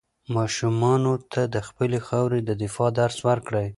ماشومانو ته د خپلې خاورې د دفاع درس ورکړئ.